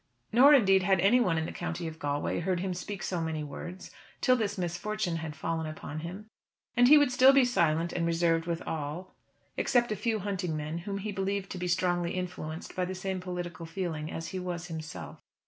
Nor, indeed, had anyone in the County of Galway heard him speak so many words till this misfortune had fallen upon him. And he would still be silent and reserved with all except a few hunting men whom he believed to be strongly influenced by the same political feeling as he was himself.